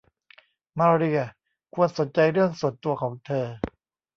มาเรียควรสนใจเรื่องส่วนตัวของเธอ